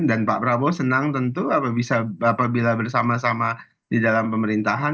dan pak prabowo senang tentu apabila bersama sama di dalam pemerintahan